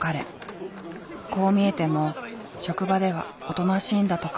こう見えても職場ではおとなしいんだとか。